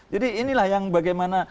jadi inilah yang bagaimana